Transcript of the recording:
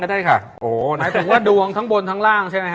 หมายถึงว่าดวงทั้งบนทั้งล่างใช่ไหมฮะ